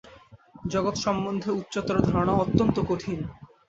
জগৎ সম্বন্ধে উচ্চতর ধারণা অত্যন্ত কঠিন।